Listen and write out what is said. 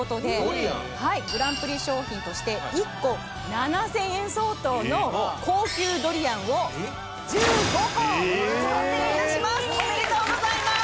はいグランプリ賞品として１個７０００円相当の高級ドリアンを１５個贈呈いたしますおめでとうございます